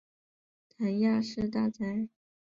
谭雅士大宅。